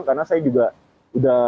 karena saya juga sudah